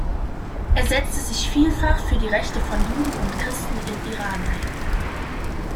Er setzte sich vielfach für die Rechte von Juden und Christen im Iran ein.